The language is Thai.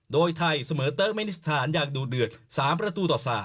โดยไทยเสมอเตอร์เมนิสถานอย่างดูเดือด๓ประตูต่อ๓